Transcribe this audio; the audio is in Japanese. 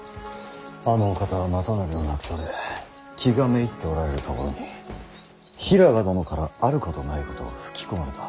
あのお方は政範を亡くされ気がめいっておられるところに平賀殿からあることないことを吹き込まれた。